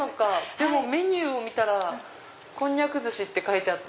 でもメニューを見たらこんにゃく寿司って書いてあって。